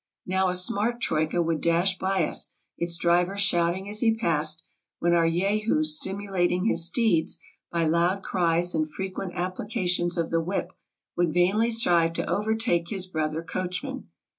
Now a smart troika would dash by us, its driver shouting as he passed, when our Jehu, stimulating his steeds by loud cries and frequent applications of the whip, would vainly strive to overtake his brother coachman.